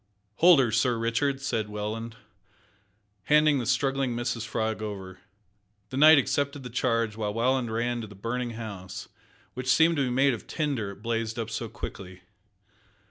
"Hold her, Sir Richard," said Welland, handing the struggling Mrs Frog over. The knight accepted the charge, while Welland ran to the burning house, which seemed to be made of tinder, it blazed up so quickly.